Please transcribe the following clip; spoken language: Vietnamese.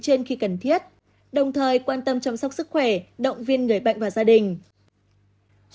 trên khi cần thiết đồng thời quan tâm chăm sóc sức khỏe động viên người bệnh và gia đình